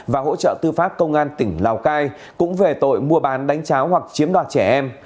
và hỗ trợ tư pháp công an tỉnh lào cai cũng về tội mua bán đánh cháo hoặc chiếm đoạt trẻ em